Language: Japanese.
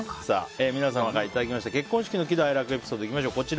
皆様からいただきました結婚式の喜怒哀楽エピソードいきましょう。